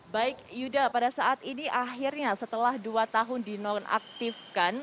baik yuda pada saat ini akhirnya setelah dua tahun dinonaktifkan